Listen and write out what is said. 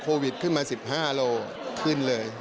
ความครอบคลิปขึ้นมา๑๕โลกรัมขึ้นเลย